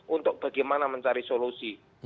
untuk bagaimana mencari solusi